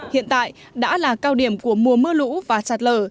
hiện tại đã là cao điểm của mùa mưa lũ và sạt lở